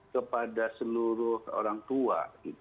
kepada seluruh orang tua